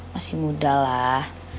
masih muda lah